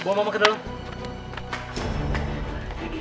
bawa mama ke dalam